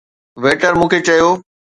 waiter مون کي چيو